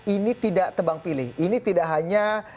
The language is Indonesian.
ini tidak tebang pilih ini tidak hanya